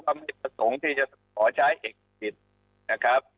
ไม่ได้ประสงค์ที่จะขอใช้เอกสิทธิ์นะครับ